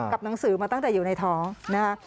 หนังสือมาตั้งแต่อยู่ในท้องนะคะ